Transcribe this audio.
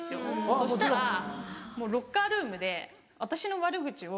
そしたらロッカールームで私の悪口を。